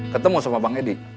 ketemu sama bang hedi